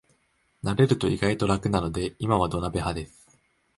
慣れると意外と楽なので今は土鍋派です